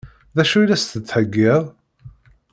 D acu i la s-d-tettheggiḍ?